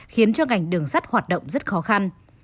khiến cho ngành đường sắt hoạt động rất khó khăn